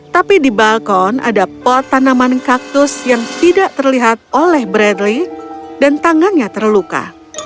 tapi di balkon ada pot tanaman kaktus yang tidak terlihat oleh bradley dan tangannya terluka